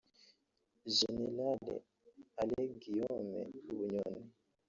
General Alain Guillame Bunyoni